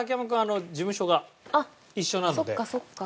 そっかそっか。